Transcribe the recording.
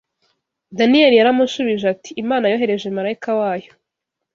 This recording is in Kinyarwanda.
Daniyeli yaramushubije ati ‘Imana yohereje marayika wayo